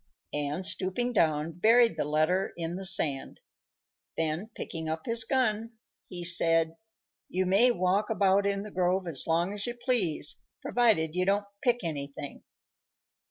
and, stooping down, buried the letter in the sand. Then, picking up his gun, he said, "You may walk about in the grove as long as you please, provided you don't pick anything."